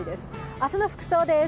明日の服装です。